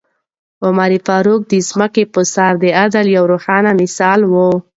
عمر فاروق د ځمکې په سر د عدل یو روښانه مثال و.